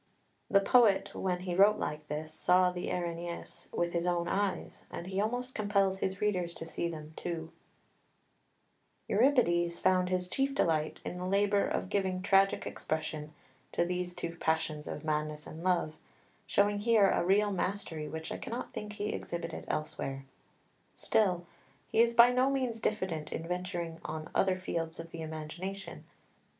The poet when he wrote like this saw the Erinyes with his own eyes, and he almost compels his readers to see them too. [Footnote 2: Eur. Orest. 255.] [Footnote 3: Iph. Taur. 291.] 3 Euripides found his chief delight in the labour of giving tragic expression to these two passions of madness and love, showing here a real mastery which I cannot think he exhibited elsewhere. Still, he is by no means diffident in venturing on other fields of the imagination.